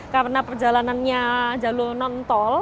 karena perjalanannya jalur non tol